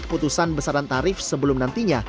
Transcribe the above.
keputusan besaran tarif sebelum nantinya